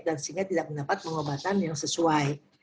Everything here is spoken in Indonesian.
sehingga tidak mendapat pengobatan yang sesuai